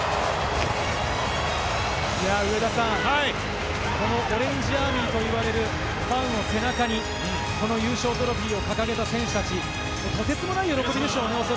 上田さん、このオレンジアーミーと言われるファンの背中に、この優勝トロフィーを掲げた選手たち、とてつもない喜びでしょうね。